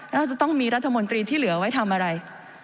เราจะต้องมีรัฐมนตรีที่เหลือไว้ทำอะไร